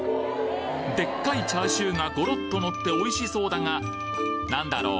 でっかいチャーシューがゴロッとのっておいしそうだが何だろう